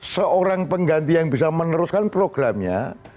seorang pengganti yang bisa meneruskan programnya